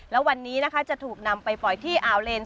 แล้ววันนี้นะคะจะถูกนำไปปล่อยที่อ่าวเลน